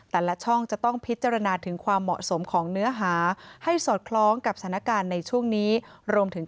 หลักฤทธิ์ร่วมไม่เหมาะอันนี้เรื่องที่หนึ่ง